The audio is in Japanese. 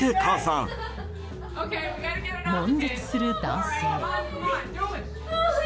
悶絶する男性。